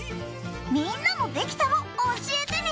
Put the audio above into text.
みんなのできたも教えてね。